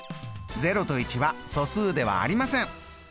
０と１は素数ではありません！